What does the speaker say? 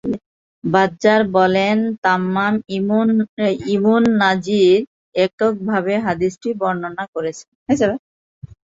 বাযযার বলেন, তাম্মাম ইবুন নাজীহ এককভাবে হাদীসটি বর্ণনা করেছেন।